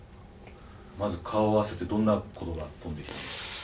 まず顔を合わせてどんな言葉が飛んできたんですか？